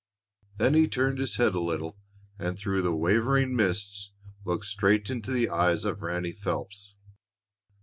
Then he turned his head a little and through the wavering mists looked straight into the eyes of Ranny Phelps!